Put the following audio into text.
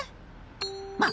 まあ！